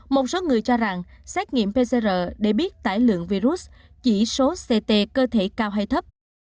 một số người cho rằng xét nghiệm pcr để biết tải lượng virus chỉ số ct cơ thể cao hay thấp